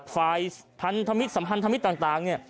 ฝ่ายสัมพันธ์ธมิตรต่าง